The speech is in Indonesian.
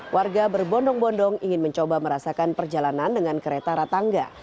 warga berbondong bondong ingin mencoba merasakan perjalanan dengan kereta ratangga